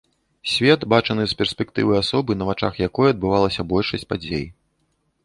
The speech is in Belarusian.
Свет, бачаны з перспектывы асобы, на вачах якой адбывалася большасць падзей.